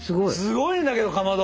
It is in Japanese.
すごいんだけどかまど。